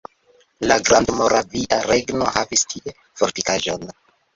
La Grandmoravia Regno havis tie fortikaĵon.